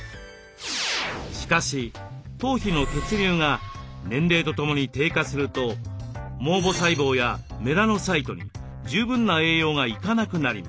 しかし頭皮の血流が年齢とともに低下すると毛母細胞やメラノサイトに十分な栄養が行かなくなります。